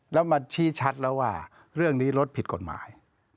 แล้วมาชี้ชัดแล้วว่าเรื่องนี้รถผิดกฎหมาย